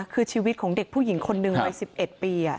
คือชีวิตของเด็กผู้หญิงคนหนึ่งวัย๑๑ปี